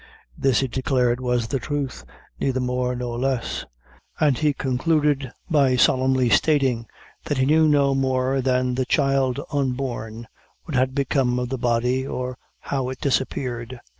This he declared was the truth, neither more nor less, and he concluded by solemnly stating, that he knew no more than the child unborn what had become of the body, or how it disappeared.